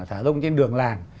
thả rông trên đường làng